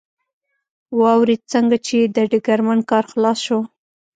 واورېد، څنګه چې د ډګرمن کار خلاص شو.